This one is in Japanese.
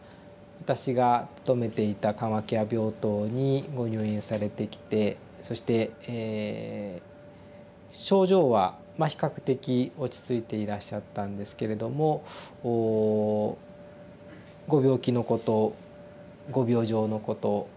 私が勤めていた緩和ケア病棟にご入院されてきてそして症状はまあ比較的落ち着いていらっしゃったんですけれどもご病気のことご病状のことをしっかりと頭で理解して理解されていて。